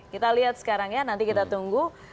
kita lihat sekarang ya nanti kita tunggu